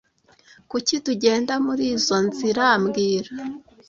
Kuki tugenda murizoi nzira mbwira